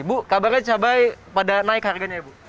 ibu kabarnya cabai pada naik harganya ya ibu